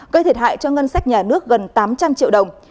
gây thiệt hại cho ngân sách nhà nước gần tám trăm linh triệu đồng